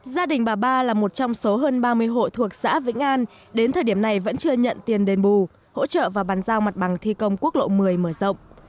gia đình bà ba là một trong số hơn ba mươi hộ thuộc xã vĩnh an đến thời điểm này vẫn chưa nhận tiền đền bù hỗ trợ và bàn giao mặt bằng thi công quốc lộ một mươi mở rộng